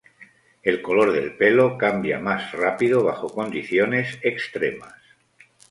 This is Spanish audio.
El color del pelo cambia más rápido bajo condiciones extremas.